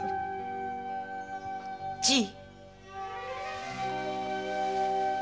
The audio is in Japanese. じい。